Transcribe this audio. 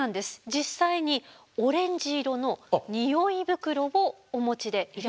実際にオレンジ色のにおい袋をお持ちでいらっしゃいます。